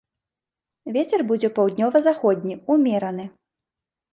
Вецер будзе паўднёва-заходні ўмераны.